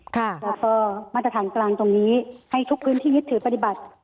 แล้วก็มาตรฐานกลางตรงนี้ให้ทุกพื้นที่ยึดถือปฏิบัติ